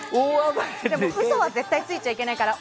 でも嘘は絶対ついちゃいけないから。